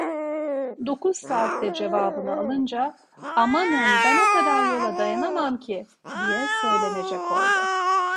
Dokuz saatte cevabını alınca: "Amanın, ben o kadar yola dayanamam ki!" diye söylenecek oldu.